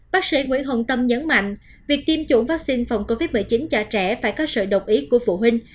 bác sĩ nguyễn hồng tâm nhấn mạnh việc tiêm chủng vaccine phòng covid một mươi chín cho trẻ phải có sự đồng ý của phụ huynh